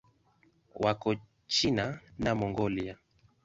Wako China na Mongolia.